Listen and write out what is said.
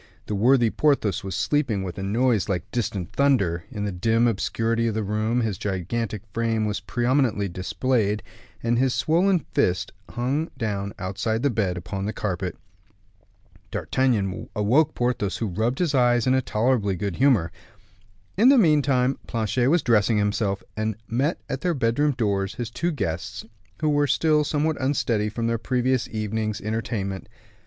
The worthy Porthos was sleeping with a noise like distant thunder; in the dim obscurity of the room his gigantic frame was prominently displayed, and his swollen fist hung down outside the bed upon the carpet. D'Artagnan awoke Porthos, who rubbed his eyes in a tolerably good humor. In the meantime Planchet was dressing himself, and met at their bedroom doors his two guests, who were still somewhat unsteady from their previous evening's entertainment.